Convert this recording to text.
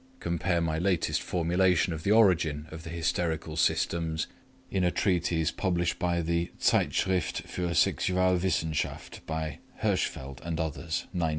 (Compare my latest formulation of the origin of the hysterical symptoms in a treatise published by the Zeitschrift für Sexualwissenschaft, by Hirschfeld and others, 1908).